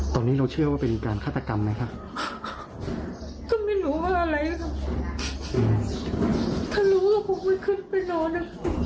ก็ไม่รู้ว่าอะไรนะครับถ้ารู้ว่าผมก็ขึ้นไปนอนนะ